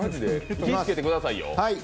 気つけてくださいよ。